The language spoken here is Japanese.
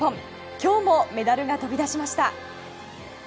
今日もメダルが飛び出しました。